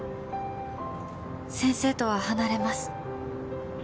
「先生とは離れます」